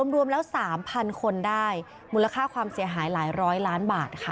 รวมแล้ว๓๐๐คนได้มูลค่าความเสียหายหลายร้อยล้านบาทค่ะ